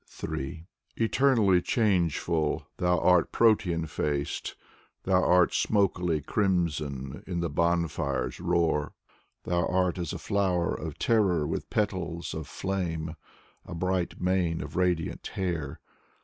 3 Eternally changeful. Thou art Protean faced. Thou art smokily crimson In the bonfires* roar. Thou art as a flower of terror with petals of flame, A bright mane of radiant hair.